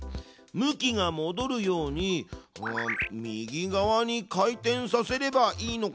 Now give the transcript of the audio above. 向きがもどるように右側に回転させればいいのかな。